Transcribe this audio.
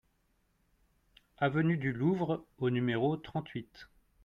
Avenue du Louvre au numéro trente-huit